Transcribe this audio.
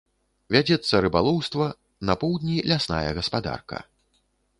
Вядзецца рыбалоўства, на поўдні лясная гаспадарка.